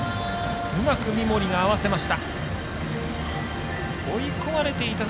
うまく三森が合わせました。